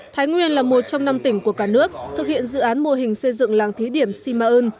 thái nguyên là một trong năm tỉnh của cả nước thực hiện dự án mô hình xây dựng làng thí điểm si ma ơn